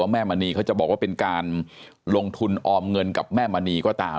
แม่มณีเขาจะบอกว่าเป็นการลงทุนออมเงินกับแม่มณีก็ตาม